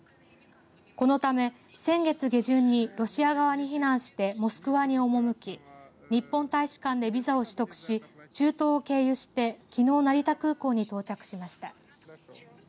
このため先月下旬にロシア側に避難してモスクワに赴き日本大使館でビザを取得し中東を経由してきのう成田空港に到着しました。